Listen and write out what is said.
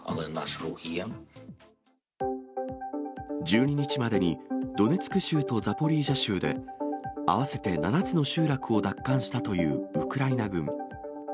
１２日までにドネツク州とザポリージャ州で、合わせて７つの集落を奪還したというウクライナ軍。